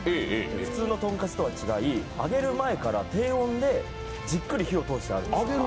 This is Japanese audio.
普通のとんかつとは違い揚げる前から低温でじっくり火を通してあるんです。